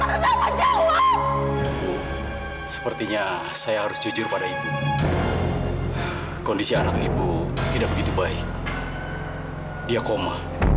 anak anak sepertinya saya harus jujur pada ibu kondisi anak ibu tidak begitu baik dia koma